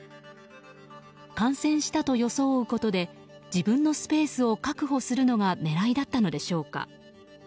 感染したと装うことで自分のスペースを確保するのが狙いだったのでしょうか。